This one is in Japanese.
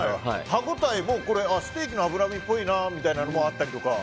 歯応えもステーキの脂身っぽいなというのもあったりとか。